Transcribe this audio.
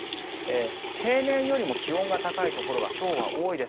平年よりも気温が高いところが今日は多いです。